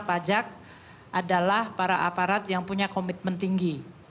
pajak adalah para aparat yang punya komitmen tinggi